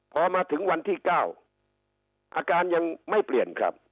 พอมาถึงวันที่๙อาการยังไม่เปลี่ยนครับ